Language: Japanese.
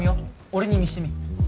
俺に見せてみ？